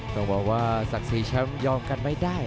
ต้องบอกว่าศักดิ์ศรีแชมป์ยอมกันไม่ได้